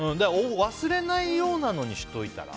忘れないようなのにしといたら？